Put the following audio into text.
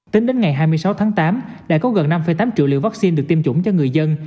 tính đến ngày hai mươi sáu tháng tám đã có gần năm tám triệu liều vaccine được tiêm chủng cho người dân